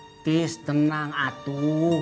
ntis tenang atu